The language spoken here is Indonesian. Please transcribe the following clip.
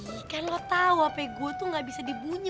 iya kan lo tau hape gue tuh gak bisa dibunyi